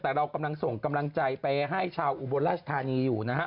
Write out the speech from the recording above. แต่เรากำลังส่งกำลังใจไปให้ชาวอุบลราชธานีอยู่นะฮะ